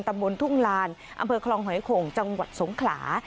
ตำบลทุ่งลานอำเภอคลองหอยโข่งจังหวัดสงขลา